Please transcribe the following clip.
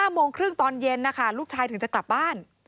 โมงครึ่งตอนเย็นนะคะลูกชายถึงจะกลับบ้าน